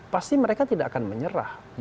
pasti mereka tidak akan menyerah